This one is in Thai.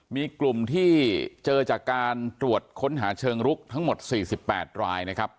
มีกลุ่มที่เจอจากการตรวจค้นหาเชิงลุกทั้งหมด๔๘รายนะครับ